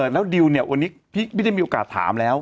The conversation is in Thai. แล้วดิวเนี่ยวันนี้พี่ไม่ได้มีโอกาสถามแล้ว